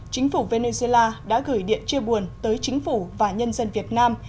chính phủ venezuela đã gửi điện chia buồn tới chính phủ và nhân dân việt nam